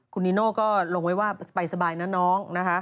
คุณนิโน่ก็ลงไว้ว่าไปสบายนะน้องนะคะ